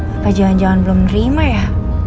apa jangan jangan belum nerima ya